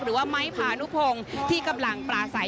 หรือว่าม้ายภาณภงที่กำลังปลาสัย